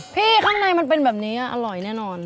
ข้างในมันเป็นแบบนี้อร่อยแน่นอน